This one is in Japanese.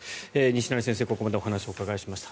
西成先生にここまでお話をお伺いしました。